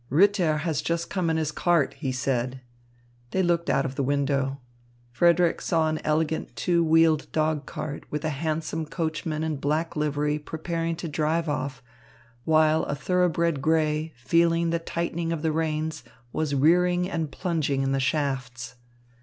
"Ritter has just come in his cart," he said. They looked out of the window. Frederick saw an elegant two wheeled dog cart with a handsome coachman in black livery preparing to drive off, while a thoroughbred grey, feeling the tightening of the reins, was rearing and plunging in the shafts.